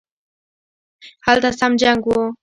هلته سم جنګ وو